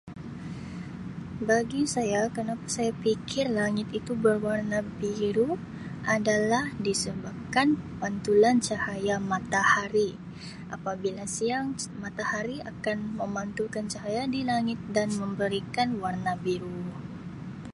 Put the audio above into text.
Bagi saya kenapa saya pikir langit itu berwarna biru adalah disebabkan pantulan cahaya matahari, apabila siang matahari akan memantulkan cahaya di langit dan memberikan warna biru.